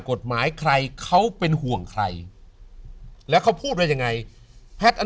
กฎหมายใครเขาเป็นห่วงใครแล้วเขาพูดว่ายังไงแพทย์อัน